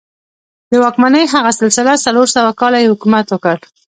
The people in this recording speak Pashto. د واکمنۍ هغه سلسله څلور سوه کاله یې حکومت وکړ.